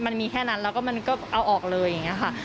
แล้วก็มันก็เอาออกเลยอย่างนี้ค่ะ